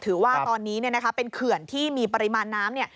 ถือว่าตอนนี้เป็นเขื่อนที่มีปริมาณน้ำ